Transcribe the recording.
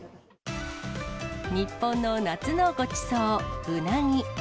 日本の夏のごちそう、うなぎ。